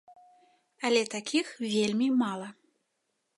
Але такіх вельмі мала.